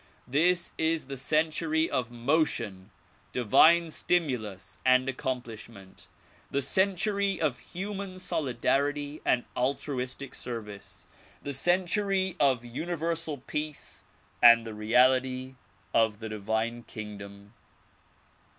This is the century of motion, divine stimulus and accomplishment; the century of human soli darity and altruistic service; the century of Universal Peace and the reality of the divine kingdom.